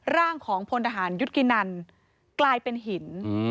ร่างของพลทหารยุทธกินันกลายเป็นหิน